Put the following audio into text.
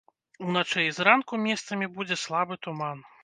Уначы і зранку месцамі будзе слабы туман.